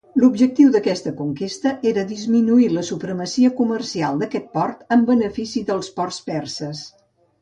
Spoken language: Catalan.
L'objectiu d'aquesta conquesta era disminuir la supremacia comercial d'aquest port en benefici dels ports perses.